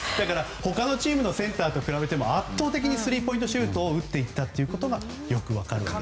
他のチームのセンターと比べても圧倒的にスリーポイントシュートを打っていったことがよく分かるんです。